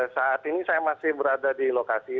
saat ini saya masih berada di lokasi